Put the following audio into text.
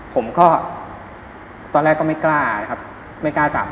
ผมก็ตอนแรกก็ไม่กล้านะครับไม่กล้าจับ